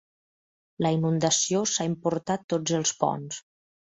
La inundació s'ha emportat tots els ponts.